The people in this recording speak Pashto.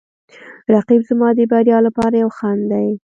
رقیب زما د بریا لپاره یو خنډ دی